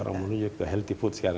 orang menunjukkan healthy food sekarang